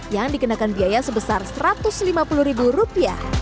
yang dikenakan biaya sebesar rp satu ratus lima puluh